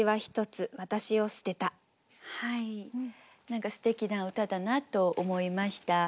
何かすてきな歌だなと思いました。